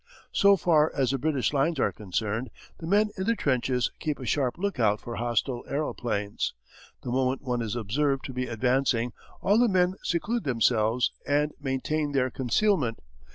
So far as the British lines are concerned the men in the trenches keep a sharp look out for hostile aeroplanes. The moment one is observed to be advancing, all the men seclude themselves and maintain their concealment.